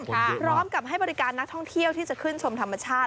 พร้อมกับให้บริการนักท่องเที่ยวที่จะขึ้นชมธรรมชาติ